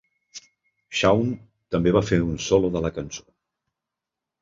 Shawn també va fer un solo de la cançó.